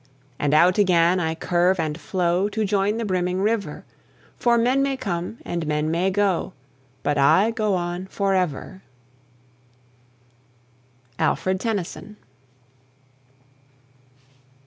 And out again I curve and flow To join the brimming river; For men may come and men may go, But I go on forever. ALFRED TENNYSON.